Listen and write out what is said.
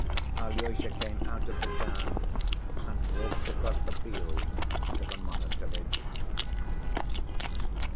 Alyosha came out of the town and walked across the fields to the monastery.